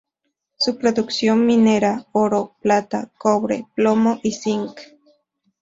Su producción minera: oro, plata, cobre, plomo y zinc.